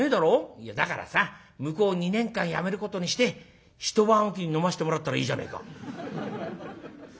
「いやだからさ向こう２年間やめることにして一晩おきに飲ませてもらうったらいいじゃねえか」。